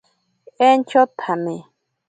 Entyo tsame.